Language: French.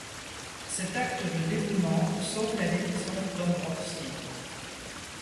Cet acte de dévouement sauve la division Dombrowski.